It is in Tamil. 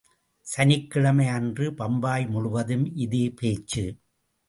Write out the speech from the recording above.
சனிக்கிழமை அன்று பம்பாய் முழுவதும் இதே பேச்சு.